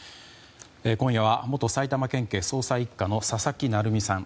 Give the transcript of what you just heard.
今夜は元埼玉県警捜査１課の佐々木成三さん。